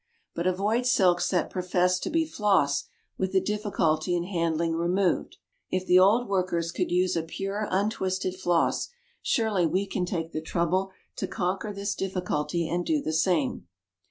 But avoid silks that profess to be floss with the difficulty in handling removed. If the old workers could use a pure untwisted floss, surely we can take the trouble to conquer this difficulty and do the same.